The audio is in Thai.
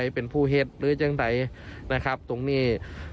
อยู่ใหม่นะนี่